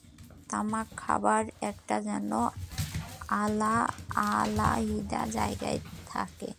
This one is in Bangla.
তামাক খাবার একটা যেন আলাহিদা জায়গা থাকে।